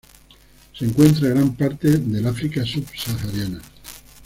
Se encuentra en gran parte del África subsahariana.